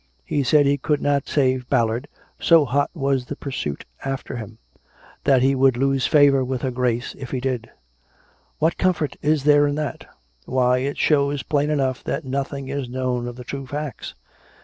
He said he could not save Ballard, so hot was the pursuit after him; that he would lose favour with her Grace if he did." "What comfort is there in that?" " Why ; it shows plain enough that nothing is known of the true facts.